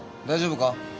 大丈夫か？